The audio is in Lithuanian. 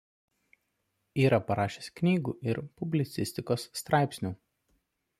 Yra parašęs knygų ir publicistikos straipsnių.